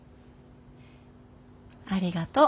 ありがとう。